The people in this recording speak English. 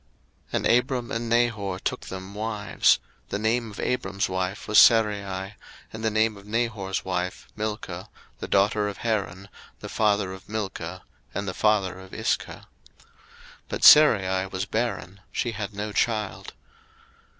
01:011:029 And Abram and Nahor took them wives: the name of Abram's wife was Sarai; and the name of Nahor's wife, Milcah, the daughter of Haran, the father of Milcah, and the father of Iscah. 01:011:030 But Sarai was barren; she had no child.